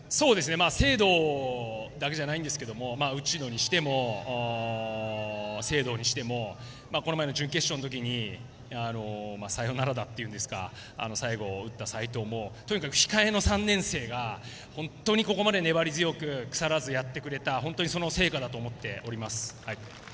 清藤だけじゃないですが打野にしても、清藤にしてもこの前の準決勝の時にサヨナラ打というんですか最後、打った齊藤も控えの３年生が本当にここまで粘り強く腐らずやってくれた成果だと思います。